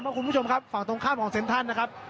คุณผู้ชมครับฝั่งตรงข้ามของเซ็นทรัลนะครับ